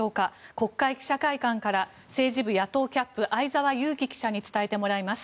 国会記者会館から政治部野党キャップ相沢祐樹記者に伝えてもらいます。